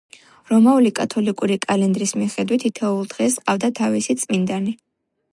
რომაული კათოლიკური კალენდრის მიხედვით, თითოეულ დღეს ჰყავდა თავისი წმინდანი.